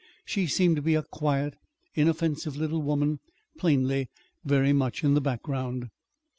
She seemed to be a quiet, inoffensive little woman, plainly very much in the background.